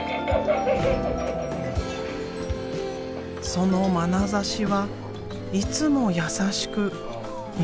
そのまなざしはいつも優しく見つめている。